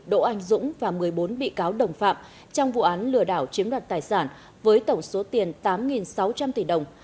đỗ anh dũng và một mươi bốn bị cáo đồng phạm trong vụ án lừa đảo chiếm đoạt tài sản với tổng số tiền tám sáu trăm linh tỷ đồng